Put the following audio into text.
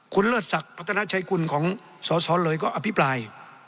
คุณเลิศศักดิ์พัฒนาชัยกุลของสสเลยก็อภิปราย